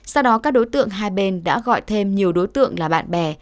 sau đó các đối tượng hai bên đã gọi thêm nhiều đối tượng là bạn bè